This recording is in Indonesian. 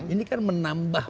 ini kan menambah